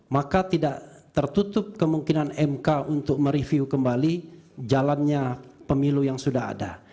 maka tidak tertutup kemungkinan mk untuk mereview kembali jalannya pemilu yang sudah ada